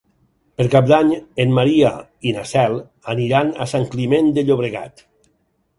Per Cap d'Any en Maria i na Cel aniran a Sant Climent de Llobregat.